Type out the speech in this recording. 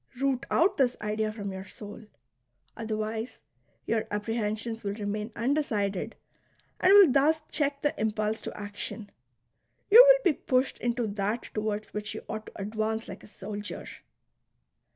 Root out this idea from your soul ; otherwise your apprehensions will remain undecided and will thus check the impulse to action. You will be pushed into that towards which you ought to advance like a soldier.